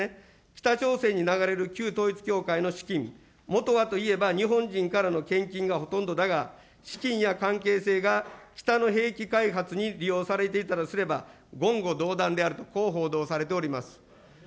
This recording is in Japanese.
北朝鮮に流れる旧統一教会の資金、もとはといえば、日本人からの献金がほとんどだが、資金や関係性が北の兵器開発に利用されていたとすれば、言語道断であると、こう報道されております。